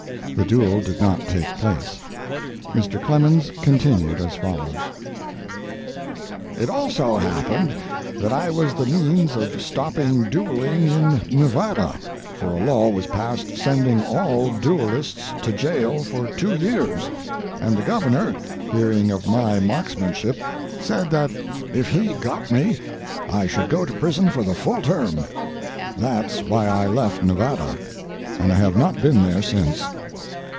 The duel did not take place. Mr. Clemens continued as follows: It also happened that I was the means of stopping duelling in Nevada, for a law was passed sending all duellists to jail for two years, and the Governor, hearing of my marksmanship, said that if he got me I should go to prison for the full term. That's why I left Nevada, and I have not been there since.